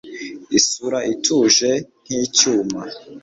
Isura ituje nkicyuma